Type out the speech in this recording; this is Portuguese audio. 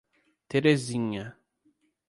Terezinha